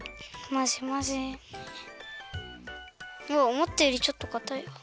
おもったよりちょっとかたいわ。